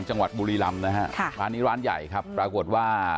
จังหวัดบุรีรำนะฮะค่ะร้านนี้ร้านใหญ่ครับปรากฏว่า